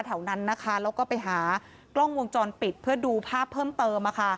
แถวนั้นนะคะแล้วก็ไปหากล้องวงจรปิดเพื่อดูภาพเพิ่มเติม